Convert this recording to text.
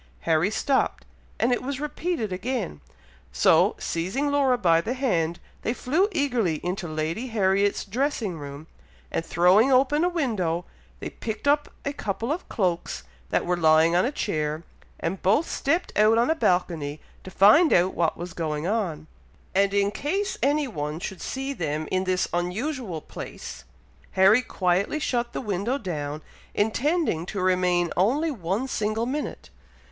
Harry stopped, and it was repeated again, so seizing Laura by the hand, they flew eagerly into Lady Harriet's dressing room, and throwing open a window, they picked up a couple of cloaks that were lying on a chair, and both stepped out on a balcony to find out what was going on; and in case any one should see them in this unusual place, Harry quietly shut the window down, intending to remain only one single minute.